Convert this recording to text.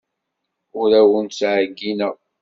Ur awen-ttɛeyyineɣ.